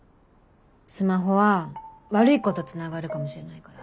スマホは悪い子とつながるかもしれないから危ないんだって。